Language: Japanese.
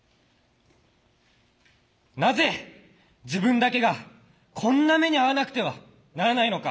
なぜ自分だけがこんな目に遭わなくてはならないのか。